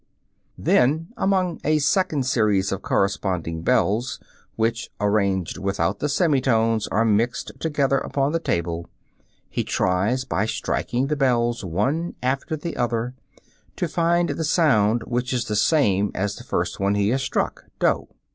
Then among a second series of corresponding bells which, arranged without the semitones, are mixed together upon the table, he tries, by striking the bells one after the other, to find the sound which is the same as the first one he has struck (doh).